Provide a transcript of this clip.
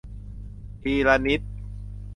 ทีละนิด